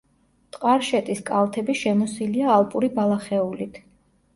ტყარშეტის კალთები შემოსილია ალპური ბალახეულით.